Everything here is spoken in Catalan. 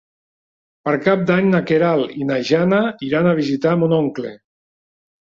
Per Cap d'Any na Queralt i na Jana iran a visitar mon oncle.